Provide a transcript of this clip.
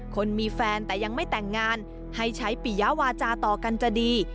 คนมีแฟนแต่ยังไม่แต่งงานให้ใช้ปิยะวาจาต่อกันจะดี